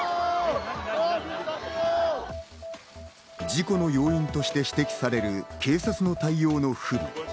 事故の要因として指摘される警察の対応の不備。